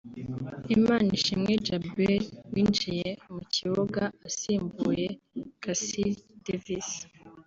Imanishimwe Djabel winjiye mu kibuga asimbuye Kasirye Davis